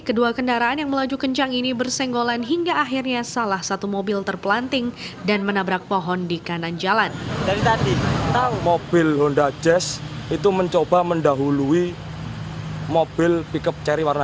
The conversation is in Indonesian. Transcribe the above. kedua kendaraan yang melaju kencang ini bersenggolan hingga akhirnya salah satu mobil terpelanting dan menabrak pohon di kanan jalan